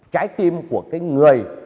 trái tim của cái người